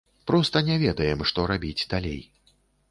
Проста не ведаем, што рабіць далей.